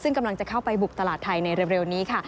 ซึ่งกำลังจะเข้าไปบุกตลาดไทยในเร็วนี้ค่ะ